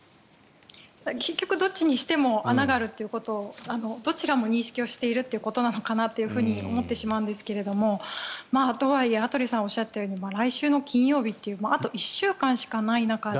結局どっちにしても穴があるということをどちらも認識をしているということなのかなと思ってしまうんですがとはいえ羽鳥さんがおっしゃったように来週の金曜日という１週間しかない中で。